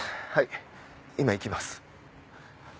今行きます。